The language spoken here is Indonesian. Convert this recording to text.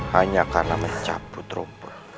hanya karena mencabut rumput